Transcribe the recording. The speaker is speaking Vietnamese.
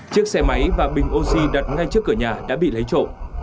chiếc xe máy và bình oxy đặt ngay trước cửa nhà đã bị lấy trộm